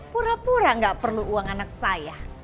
pura pura gak perlu uang anak saya